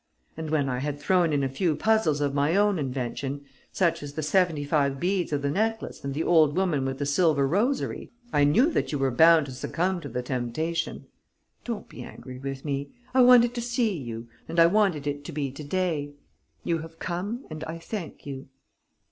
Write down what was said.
And, when I had thrown in a few puzzles of my own invention, such as the seventy five beads of the necklace and the old woman with the silver rosary, I knew that you were bound to succumb to the temptation. Don't be angry with me. I wanted to see you and I wanted it to be today. You have come and I thank you."